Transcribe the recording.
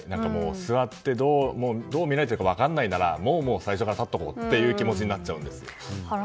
座って、どう見られているか分からないならもう最初から立っとこうという気持ちになっちゃうんです。